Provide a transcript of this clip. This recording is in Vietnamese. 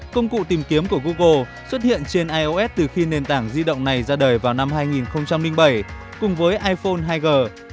công cụ tìm kiếm của google xuất hiện trên ios từ khi nền tảng di động này ra đời vào năm hai nghìn bảy cùng với iphone hai g